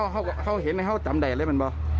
แล้วเขาเห็นไหนเขาจำได้อะไรบ้างปะ